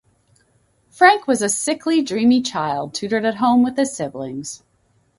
Frank was a sickly, dreamy child, tutored at home with his siblings.